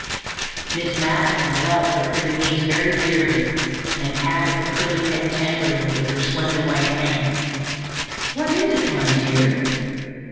Miss Madeline loved her pretty niece very dearly and patted the curly head tenderly with her slender white hands. "What is it, my dear?"